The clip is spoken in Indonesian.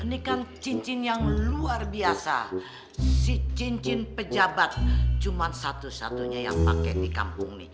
ini kan cincin yang luar biasa si cincin pejabat cuma satu satunya yang pakai di kampung ini